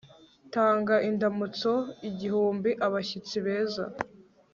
tanga indamutso igihumbi, abashyitsi beza